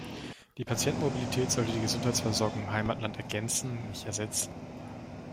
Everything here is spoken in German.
Die Patientenmobilität sollte die Gesundheitsversorgung im Heimatland ergänzen, nicht ersetzen.